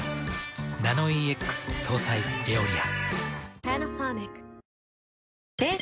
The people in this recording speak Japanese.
ナノイーＸ搭載「エオリア」。